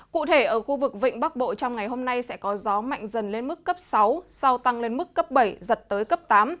cụ thể ở khu vực vịnh bắc bộ trong ngày hôm nay sẽ có gió mạnh dần lên mức cấp sáu sau tăng lên mức cấp bảy giật tới cấp tám